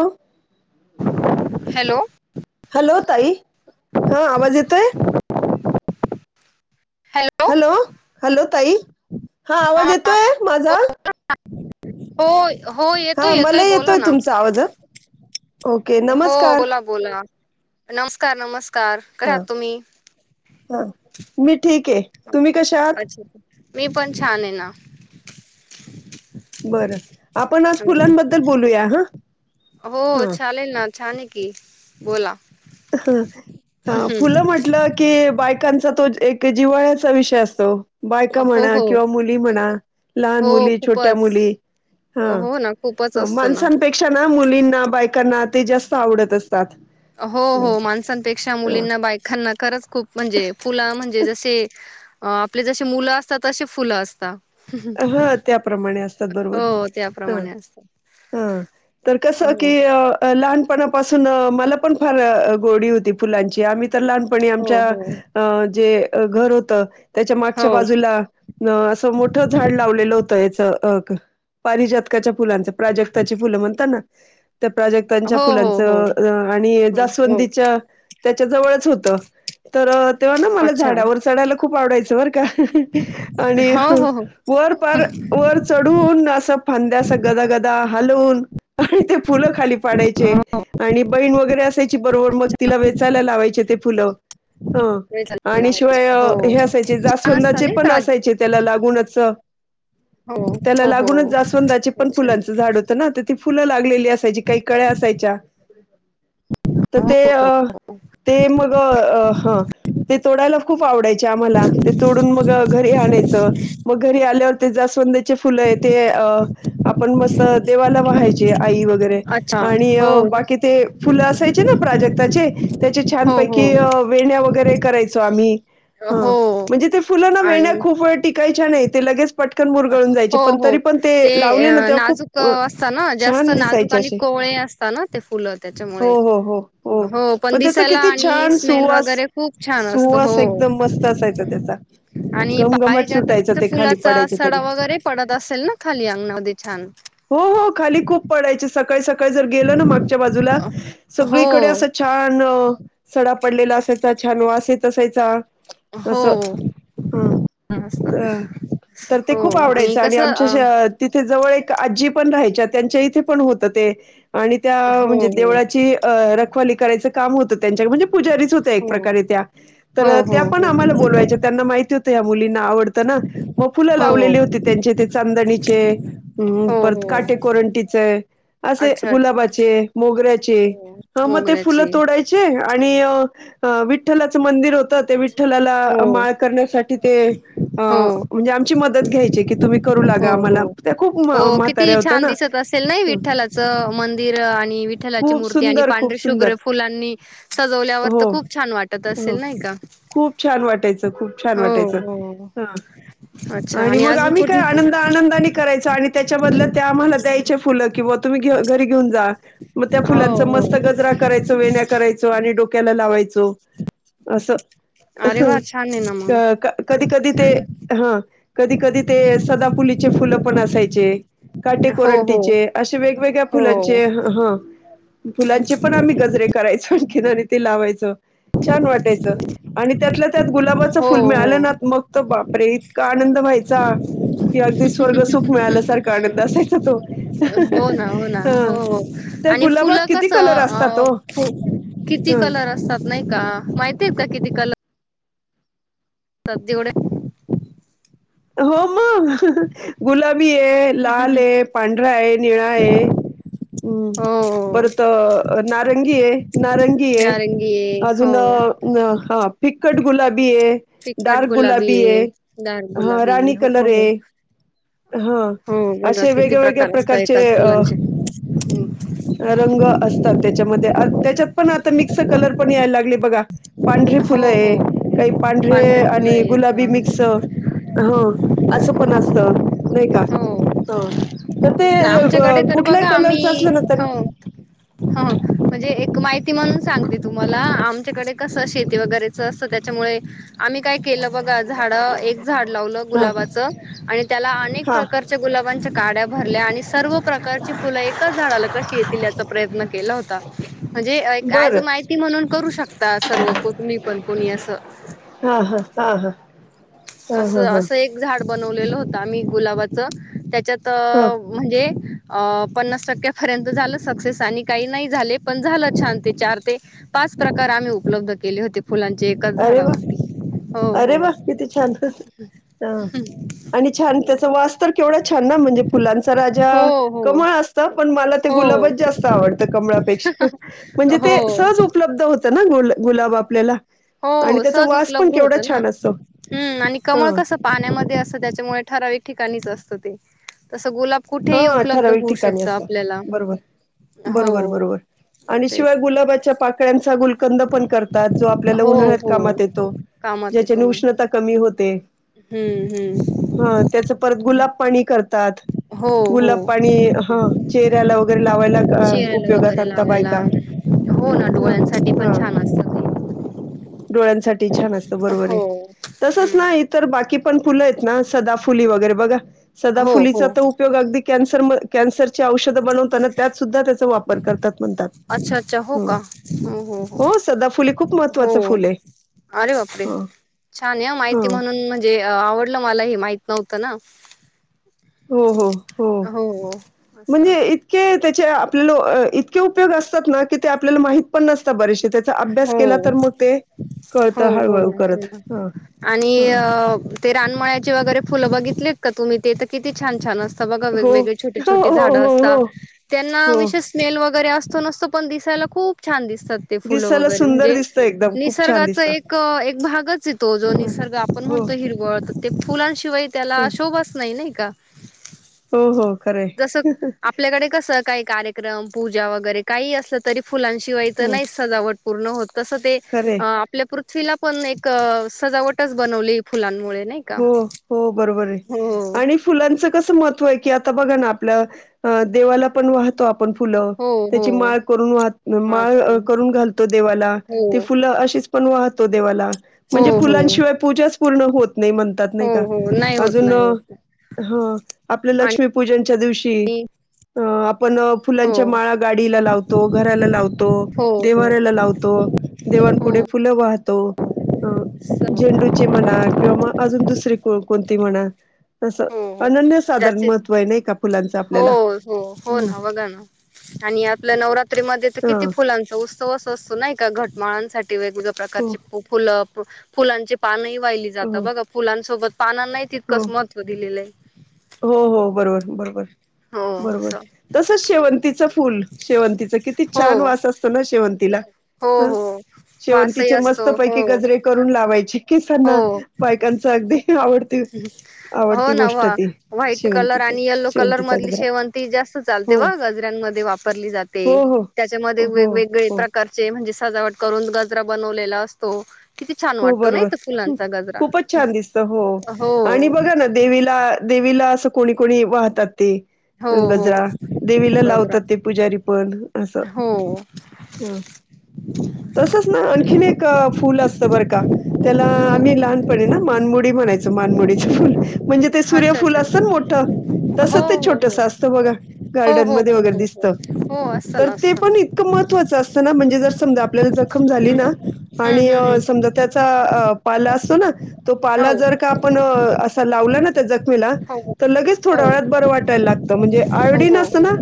हो. Hello. Hello ताई हा आवाज येतोय. हॅलो हॅलो ताई हा आवाज येतोय हो माझा. हो हो येतो हा मला येतोय बोला ना तुमचा आवाज ओके हो नमस्कार बोला बोला. नमस्कार नमस्कार हा कयात तुम्ही. हा मी ठीक आहे ह तुम्ही कशा आहात अच्छा मी पण छान आहे ना. बरं आपण आज फुलांबद्दल बोलूया हा. हो ह चालेल ना छान आहे की बोला. ह ह हम्म. फुलं म्हंटलं की बाई कांचा तो एक जिवाळ्याचा विषय असतो. बायका हो म्हणा हो किंवा मुली म्हणा लहान हो मुली छोट्या खूपच मुली. हो ना खूपच हा असतो ना माणसांपेक्षा मुलींना बायकांना ते जास्त आवडत असतात. हो हा हो माणसांपेक्षा हा, मुलींना बायकांना खरंच खूप म्हणजे फुलं म्हणजे जसे आपले जसे मुलं असतात तसे फुलं असतात हा त्याप्रमाणे असतात बरोबर हो हा त्याप्रमाणे असतात. हा तर कस हो की लहान पणापासून मला पण फार गोडी होती फुलांची आम तर लहानपणी हो आमच्या हो अ जे घर होत. त्याच्या हो मागच्या बाजूला असं मोठ झाड लावलेलं होतं याच अ पारिजातकाच्या फुलांचं प्राजक्ताची फुलं म्हणत ना त्या प्राजक्तांच्या हो हो हो फुलांचं आणि हो हो जास्वंदीच्या त्याच्या जवळच होत तर तेव्हा ना मला अच्छा झाडावर चढायला खूप आवडायचं बरं का, आणि हो हो हो वर पार वर चढून असं फांद्या अस गदागदा हालून आणि ते फुलं खाली पाडायचे हो आणि बहीण वगैरे असायची बरोबर मग तिला वेचायला लावायची. ते फुलं ह वेळ झालेला आणि शिवाय आहे. हो हे असायचे छान असतं जास्वंदाचे नाही पण तर आज- असायचे त्याला लागूनच, हो त्याला हो लागूनच हो जास्वंदीच्या पण अच्छा फुलाच झाड होत ना तर ती फुलं लागलेली. असाय काही कळ्या असायच्या. तर हो ते अ ते मग हा ते तोडायला. खूप आवडायच्या आम्हाला तोडून मग घरी आणायच मग घरी आल्या. ते जस्वंद्याचे फुलं आहे ते अ, आपण मस्त देवाला वहायची आई वगैरे अच्छा आणि हो ना बाकी ते फुलं असायची. प्राजक्ताचे त्या हो छानपैकी हो वेण्या वगैरे करायचो आम्ही हा हो म्हणजे ते फुलं ना वेळण्या आणि खूप वेळ टिकायच्या नाही ते लगेच पटकन मुरगळून जायचे हो पण हो तरी पण ते लावले ना तेव्हा खूप तेनाजूक असत ना जास्त छान नाजूक दिसायचे असे आणि अस फुल हो त्याच्यामुळे हो हो हो पण त्याचा दिसायला किती आणि छान स्मेल सुवास वगरे खूप छान असत हो सुवास एकदम मस्त असायचा त्याचा आणि घमघमाट पारीच्याता सुटायचा ते खाली पडायचे. सडा तरी वगैरे पडत असेल ना खाली अंगदी छान, हो हो खाली खूप पडायचे सकाळी सकाळी जर गेल ना मागच्या बाजूला हो सगळीकडे असं छान सड पडलेला असायचा छान वा असेत असायचा. हो, अ तर ते हो खूप आवडायचं आणि कसं अ आमच्या तिथे जवळ आजी पण राहायच्या त्यांच्या इथे पण होत ते आणि त्या हो म्हणजे हो देवळाची करायचं काम होत. त्यां म्हणजे पुजारीच हो एक प्रकारे त्या तर हो हो हो त्या पण आम्हाला बोलवायचा त्यांना माहिती होतं मुलींना आवड मग फुले हो हो लावलेली होती त्यांच्या तिथे चांदणीचे हो परत हो काटे करवंटी असे अच्छा अच्छा गुलाबाचे मोगऱ्याच हो मग ते फुले मोगऱ्याची तोडायचे आणि आणि विठ्ठलाचं मंदिर होत ते विठ्ठलाला हो माळ करण्यासाठी ते हो म्हणजे आमची मदत घ्यायची की तुम्ही करू लागा हो आम्हाला हो त्या खूप हो किती म्हाताऱ्या होत्या छान ना दिसत असेल नाही विठ्ठलाचं मंदिर आणि विठ्ठलाची खूप मूर्ती आणि सुंदर खूप पांढरे सुंदर शुभ्र फुलांनी सजवले. आपल्यावर तर हो खूप छान वाटत हो असेल नाही का खूप छान वाटायचं खूप छान हो वाटायचं हो ह. अच्छा आणि मग अजून आम्ही काय कुठली आनंद आनंदाने करायच आणि त्याच्या बदल्यात त्या आम्हाला द्यायचे फुलं किंवा तुम्ही घेऊ. घरी घेऊन जा मग त्या हो फुलांच हो मस्त गजरा करायचं वेण्या करायचं आणि डोक्याला लावायचं. असो अरे वा छान आहे ना मग कधी कधी, ते ह कधी कधी ते सदापुलीचे फुलं पण असायचे. काटे हो हो कोरंटीचे असे वेगवेगळ्या हो फुलांचे हा फुलांचे पण आम्ही गजरे करायचो आणखीन आणि ते लावायचं छान वाटायचं आणि त्यातल्या त्यात गुलाबाच हो फुल मिळालं हो ना मग ते बापरे इतका आनंद व्हायचा. कि अगदी स्वर्ग सुख मिळाल्यासारखा आनंद असायचा तो हो ना हो ना हो हा. तर आणि गुलाबात फुलं किती कसं कलर अ असतात ओ फु किती कलर असतात नाही का माहिती आहेत का किती कलर असतात एवढे. हो. गुलाबी आहे लाल आहे पांढरा आहे निळा आहे. हम्म हो परत नारंगी आहे. नारंगी आहे नारंगी आहे अजून हो हा फिकट गुलाबी फिकट डार्क गुलाबी आहे दार गुलाबी राणी हो कलर हो आहे. हा हो बघा असे किती वेगळ्यावेेगळ्या प्रकार असत प्रकारचे एकाच अ फुलांचे हम्म रंग अस. त्याच्यामध्ये त्याच्यात पण आता मिक्स कलर पण यायला लागले बघा. पांढरे हो फुलं आहे हो काही पांढरे फुलं आणि आहेत गुलाबी मिक्स ना ह. असं पण असत नाही का हो ह. तर ते ना आमच्याकडे तर कुठल्याही बघा कलरच आम्ही असलं ना तरी हो हो म्हणजे एक माहिती म्हणून सांगते तुम्हाला आमच्याकडे कसं शेती वगैरेच असतं त्याच्यामुळे आम्ही काय केलं बघा झाड एक झाड लावलं हा गुलाबाचं आणि त्याला अनेक हा प्रकारच्या गुलाब च्या गाड्या भरल्या आणि सर्व प्रकारची फुलं एकाच झाडाला कशी येतील याचा प्रयत्न केला होता म्हणजेज बरं माहिती म्हणून करू शकता सर्व कही पण कोणी अस. हा हा हा हा. हा हा असं हा असं एक झाड बनवलेलं होतं आम्ही गुलाबाच त्याच्यात अ हा म्हणजे अ पन्नास टक्क्यापर्यंत झालं सक्सेस आणि काही नाही झाले पण झालं छान ते चार ते पाच. च प्रकार आम्ही उपलब्ध केले होते फुलांचे एकाच अरे वा झाडावरती हो अरे हो. वा किती छान आणि छान त्याचा वास तर केवढ. छ ना म्हणजे फुलांचा राजा हो कमळ असत पण मला ते गुलाबच हो जास्त आवडत कमपेक्षा म्हणजे हो ते हो सहज उपलब्ध होत ना गु गुलाब आपल्याला आणि हो त्याचा सहज वास पण उपलब्ध होत केवढा ना. छान असतो हम्म आणि हा कमळ कस पाण्यामध्ये असतं त्याच्यामुळे ठराविक ठिकाणीच असतं ते तस गुलाब. हा कुठेही उपलब्ध अठरावी होऊ ठिकाणी शकतं असत आपल्याला बरोबर. बरोबर हो बरोबर आणि तेच शिवाय गुलाबाच्या पाकळ्यांचा गुल. कंद पण करतात जो आपल्याला हो उन्हाळ्यात हो कामात येतो. कामात येतो ज्याच्याने ना उष्णता कमी होते हम्म हम्म ह त्याच परत गुलाब पाणी करतात. हो हो गुलाब पाणी हा चेहऱ्याला वगैरे लावायला आ चेहऱ्याला उपयोगात वगैरे आणता बाय लावायला का. हो ना डोळ्यांसाठी पण छान असत ते. डोळ्यांसाठी छान असत बरोबर हो आहे तसच ना हम्म इतर बाकी पण फुलं आहेत ना सदाफुली वगैरे बघा हो सदाफुली चा हो त उप दि कॅन्सर म कॅन्सर ची औषध बनवता ना त्यात तुझा त्याचा वापर कतात म्हणतात अच्छा अच्छा हो ह. का हो हो सदाफुली खूप हो महत्त्वाचं फुल आहे. अरे बापरे. हा छान आहे माहिती हां. म्हणून म्हणजे अ आवडलं मला हे माहित नव्हतं ना. हो हो हो म्हणजे इतके त्याच चे आपल्याला अ इतके उपयोग असतात ना की ते आपल्याला माहीत पण नसतात बरेचशे. त्याचा अभ्यास हो केला तर मग ते कळतं हो हो हळूहळू ना करत हो ना ह. आणि अ ते रानमळ्याचे वगैरे फुलं बघितलेत का तुम्ही ते तर किती छान छान अस ता बघा हो. वेगवेगळे छोटी हो, छोटी हो, झाडं हो, असतात, हो, त्यांना हो. विशेष स्मेल वगैरे अस तो नसतो पण दिसायला खूप छान दिसतात ते. फुल दिसायला वगरे सुंदर म्हणजे दिसतं एकदम. खूप छान निसर्गाचा दिसतं. एक एक भागच आहे तो जो हं. निसर्ग आपण हो, म्हणतो ही हिरवळ ते फुलांशिवाय त्याला हं. शोभाचं नाही नाही का. हो, हो. खरं जस आहे. आपल्याकडे कस काही कार्यक्रम पूजा वगैरे काही असलं तरी फुलांशिवाय तर हं. नाहीच सजावट पूर्ण होत. तस ते खरं आहे. अ आपल्या पृथ्वीला पण एक सजावटच बनवली फुलां हो हो बरोबर आहे आणि फुलांच कस महत्व आहे की आता बघा ना आपल्या देवाला पण वाहतो आप पण फुलं हो हो त्याची माळ करून वाहत माळ अ करून घालतो देवाला हो ते फुल अशी पण वाहतो देवाला हो म्हणजे हो फुलांशिवाय पूजाच पूर्ण होत नाही म्हणतात हो नाही का हो नाही होत अजून नाही होत ह आपल्या लक्ष्मीपूजनच्या दिवशी, आणि अ आप पण हो फुलांच्या माळा गाडीला लावतो घराला लावतो हो हो देवऱ्याला लावतो दे देवान हो पुढे फुलं वाहतो, अ झेंडूची म्हणा किंवा म अजून दुसरी कोन कोणती म्हणा, तसं. हो हो साधारण जास्तीत महत्व आहे नाही का. हो आपल्याला. हो हो ना बघा ना. आणि आपल्या नवरात्री मधे तर हा किती फुलांचा उत्सवच असतो नाही का घट माळानसाठी वेगवेगळ्या हो प्रकारची फुलं फुलांचची पानही वाहिली जाता हो बघा फुलांसोबत पानां नाही हो तितकंच महत्व दिलेलं आहे. हो हो बरोबर बरोबर, हो बरोबर असं तसच शेवंतीच फुल शेवंतीच किती हो छान वास असतो ना शेवंतीला. हो ह, हो वासही शेवंतीचे मस्त असतो हो पैकी गजरे करून लावाय केसांना हो बायकांच अगदी आवडती, आवडती हो ना गोष्ट व्हा ती. व्हाईट कलर शेवंतीच आणि यल्लो कलर शेवंतीचा मधली गजरा शेवंती जास्त चालते हो बघा गजऱ्यांमध्ये वापरली जाते. हो हो त्याच्यामध्ये हो वेगवेगळे हो प्रकारचे म्हणजे सजावट करून गजरा बनवलेला असतो. किती छान हो वाटतो नाही तो बरोबर, फुलांचा गजरा खूपच छान दिसत हो. आणि हो बघा ना देवीला देवीला असं कोणी कोणी वाहतात ते. हो हो. गजरा देवीला गजरा लावतात ते पुजारी पण असं. हो हा, तसच ना आणखीन एक फुल अस त बरं का त्याला आम्ही हो लहानपणी ना मानमुडी म्हणायचो मानमुडीच फुल. म्हणजे ते अच्छा सूर्यफुल असत अच्छा ना मोठं तसं हो ते हो छोटस हो. असतं बघा हो गार्डन हो मध्ये हो वगैरे हो दिसत. हो हो असतं तर ना ते असतं पण ना इतकं महत्वाचं अस म्हण ते जर समजा आपल्याला जखम झाली ना हम्म हम्म आणि अ हम्म हम्म समजा त्याचा पाला असतो ना तो पाला हो जर का आपण अस लावला ना त्या जखमे हो, हो, वाटायला लागतं. म्हणजे आयोडीन हो, असतं ना,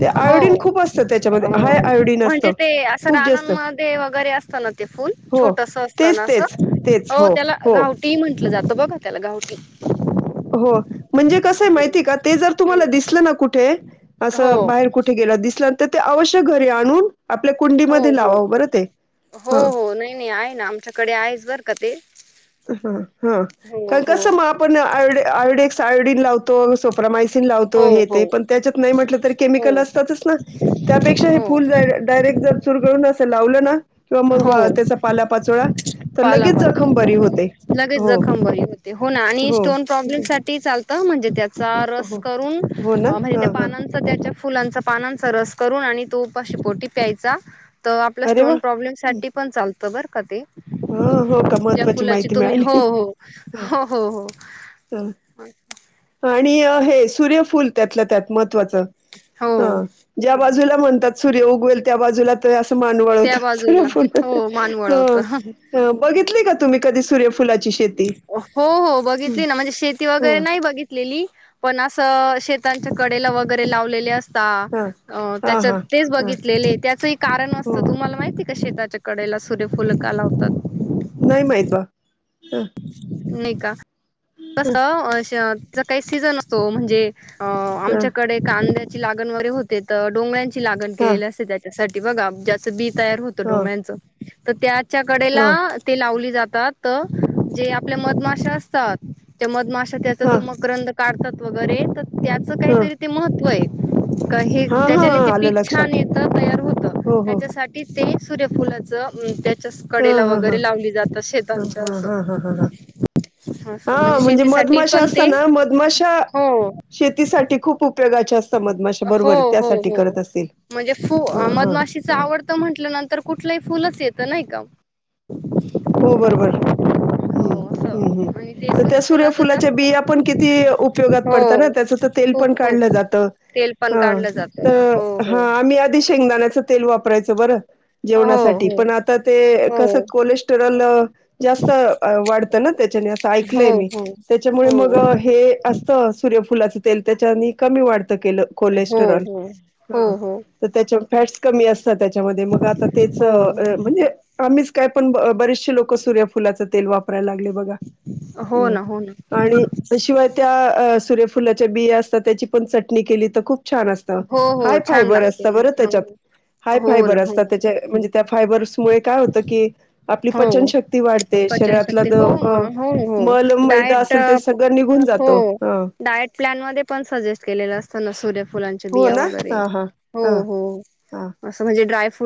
ते हो, आयोडीन हो. खूप असतं त्याच्यामध्ये हाय आयोडीन म्हणजे असतं. ते असं खूप जास्त. रानांमध्ये वगैरे असत ना ते फुल हो. छोट अस असत तेच, ना अस तेच, तेच. हो त्याला हो, गावटी म्हटलं जात बघ त्याला गावटी. हो. म्हणजे कसं आहे माहिती हम्म का ते जर तुम्हाला हम्म दिसलं ना कुठे हो असं बाहेर कुठे गेला दिसलं तर ते अवश्य घरी आणून आपल्या हो कुंडीमध्ये हो, लावावं बरं ते. हो हां. हो नाही नाही आहे ना आमच्याकडे आहेस बर का ते. हा हा, हो कारण हो कस म आपणय आयो आयडेक्स आयोडीन लावतो [unintelligible] लावतो हो हे हो ते पण त्याच्यात नाही म्हटलं तर हो केमिकल असतंच त्यापेक्षा हे हो फुल डायरेक्ट जर चुरगळून अस लावलं ना, किंवा मग हो त्याचा पालापाचोळा, तर लगेच पालापाचोळा जखम बरी हो लगेच जखम बरी होते हो ना आणि हो स्टोन प्रॉब्लेम हं. साठी चालतं अ म्हणजे ते चा रस हो करून हो ना म्हणजे त्या हां हां पानांचा त्याच्या फुलांचा पानांचा रस करून आणि तो उपाशी पोटी प्यायचा तर आपला अरे वा! स्टोन प्रॉब्लेम साठी पण चालत बर का ते. हां हो का त्या महत्त्वाची फुलाची माहिती तुम्ही हो मिळाली. हो हो हो हो. हा ह. आनी हे सूर्यफूल त्यातल्या त्यात महत्वाचं हो हं ज्या बाजूला म्हणतात सूर्य उगवेल त्या बाजूला त असं मानवळ होत त्या बाजूला सूर्यफुल हो मान ह... वळवतं बघितली का तुम्ही कधी सूर्यफुला हो हो बघितली ना म्हणजे शेती वगैरे ह नाही बघितलेली पण अस... शेतांच्या कडेला वगैरे लावलेले अस हा त्याच्या हा तेच हा बघितलेले त्याचं एक कारण हो असतं तुम्हाला माहिती शेताच्या कडेला सूर्यफुलका लावतात? नाहीय माहित बुआ. नाही का कसचा काही सीझन असतो म्हणजे.. अ ह आमच्याकडे कांद्याची लागण वगैरे होते तर. डोंगळ्यांची लागण हा केलेली असते त्याच्यासाठी. बगा ज्याचं बी तयार होत हा हा डोंगळ्यांच तर त्याच्या कडेला ते लावली जात त जे आपल्या मधमाश असतात त्या मधमाशा त्या हा त हा माकरंद काढतात वगैरे तर त्याचं काहीतरी ते महत्त्व आहे. हे हा त्याच्याने ते हा आलं पीक छान लक्षात येत तयार होत हो हो त्याच्यासाठी ते सूर्यफुलाचं त्या हा कडेला हा हा वगैरे लावली जातात ह शेतांच्या ह अस. ह ह ह ह हा म्हणजे मधमाशा असताना मधमाशा हो शेतीसाठी खूप उपयोगाच्या असता हो हो हो. म्हणजे फ ह हा मधमाशीच ह आवडतं म्हंटल्यानंतर कुठलंही फुलच येतं नाही का? हो बरोबर हम् हो हम्म हम्म. असं आणि ते तर त्या सूर्यफुलाच सूर्यफुलाच्या जास्त बिया पण किती उपयोगात हो पडतात ना त्याचं तर तेल खूप पण काढलं खूप जातं. तेल पण हा काढलं जात तर हो हा हो आम्ही आधी शेंगदाण्याच ते वापरायच बर हो जेवणासाठी हो पण आता ते हो कस कोलेस्टरल जास्त वाढतं ना त्याच्याने असं हो ऐकलंय मी हो त्याच्यामुळे मग हो हे असत सूर्य फुलाच तेल त्याच्यानी कमी वाढत हो कोलेस्ट्रॉल हो हा हो हो त्यावर फॅट्स कमी असत त्याच्यामध्ये मग आ तेच हो म्हणजे आम्च का य पण बरेचसेे लोक सूर्यफुलाचे तेल वापर वापरायला लागले हो ना हो ना बगाआणि शिवाय त्या... सूर्यफुलाच्या बिया असतात त्याची पण चटणी केली तर खूप छान असत हो हाय हो छान फायबर लागते असतं बरं ना हो त्याच्यात. हाय हो ना फायबर हो असतात त्याच्या म्हणजे त्या फायबर्स मुळे काय होतं? ए आपलीं हो पचनशक्ती वाढते शरीरांत लां पचनशक्ती जो हो अ हो हो मंल मैदा असेल डायट ते सगळं निघून हो जातो ह डायट प्लॅन मध्यें पणं सजेस्टं केलेलं असतं नां सूर्व फुलांच्या हो बिया ना वगैरे हा हा हा हो-हो हा असं म्हणजे ड्राय फ-